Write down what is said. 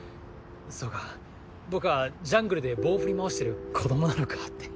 そうか僕はジャングルで棒振り回してる子供なのかって。